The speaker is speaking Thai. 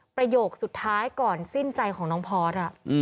ประโยคสุดท้ายก่อนสิ้นใจของน้องพอร์ต